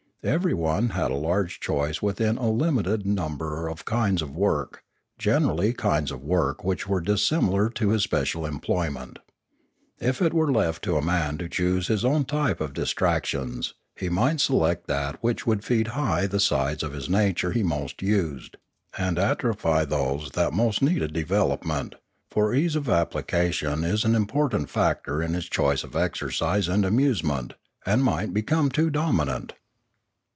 Everyone had a large choice within a limited number of kinds of work, generally kinds of work which were dissimilar to his special employment. If it were left to a man to choose his own type of dis tractions, he might select that which would feed high the sides of his nature he most used, and atrophy those that most needed development; for ease of application is an important factor in his choice of exercise and amusement, and might become too dominant.